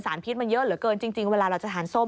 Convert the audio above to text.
พิษมันเยอะเหลือเกินจริงเวลาเราจะทานส้ม